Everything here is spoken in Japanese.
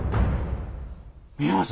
見えます？